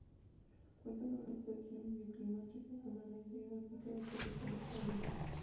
Cuenta con una estación bioclimática permanente y una pista de aterrizaje para avionetas.